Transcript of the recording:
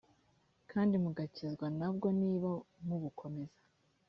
kandi mugakizwa na bwo niba mubukomeza